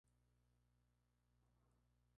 Está hecha de mampostería.